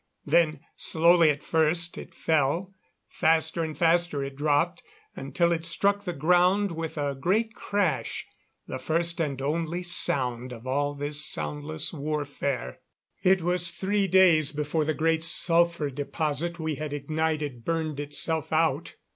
Then, slowly at first, it fell; faster and faster it dropped, until it struck the ground with a great crash the first and only sound of all this soundless warfare. It was three days before the great sulphur deposit we had ignited burned itself out.